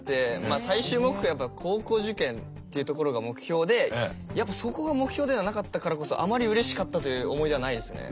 最終目標は高校受験っていうところが目標でやっぱそこが目標ではなかったからこそあまりうれしかったという思い出はないですね。